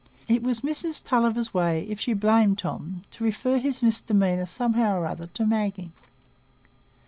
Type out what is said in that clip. It was Mrs Tulliver's way, if she blamed Tom, to refer his misdemeanour, somehow or other, to Maggie.